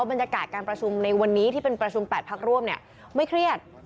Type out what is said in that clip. บรรยากาศการประชุมในวันนี้ที่เป็นประชุม๘พักร่วมเนี่ยไม่เครียด